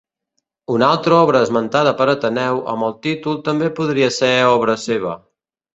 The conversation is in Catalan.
Una altra obra esmentada per Ateneu amb el títol també podria ser obra seva.